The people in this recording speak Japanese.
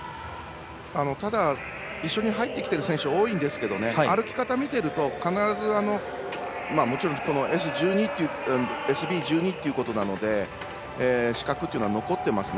一緒に入ってきている選手多いんですけど歩き方見てるともちろんＳＢ１２ということなので視覚というのは残っていますね。